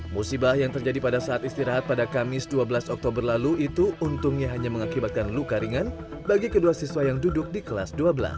musibah yang terjadi pada saat istirahat pada kamis dua belas oktober lalu itu untungnya hanya mengakibatkan luka ringan bagi kedua siswa yang duduk di kelas dua belas